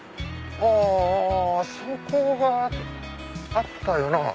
あそこがあったよな。